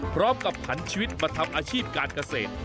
พร้อมกับผันชีวิตมาทำอาชีพการเกษตร